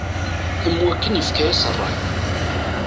Am wakken yefka-as rray.